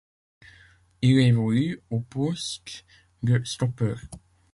Il évolue au poste de stoppeur.